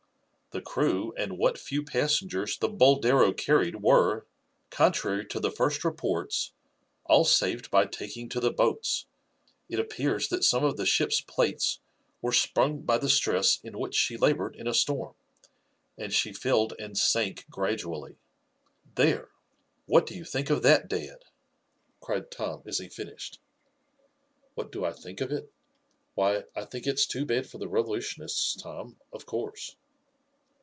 The crew and what few passengers the Boldero carried were, contrary to the first reports, all saved by taking to the boats. It appears that some of the ship's plates were sprung by the stress in which she labored in a storm, and she filled and sank gradually.' There! what do you think of that, dad?" cried Tom as he finished. "What do I think of it? Why, I think it's too bad for the revolutionists, Tom, of course."